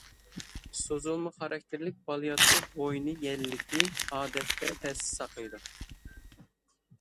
سوزۇلما خاراكتېرلىك بالىياتقۇ بوينى يەللىكى، ئادەتتە، تەستە ساقىيىدۇ.